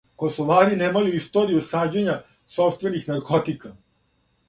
Косовари немају историју сађења сопствених наркотика.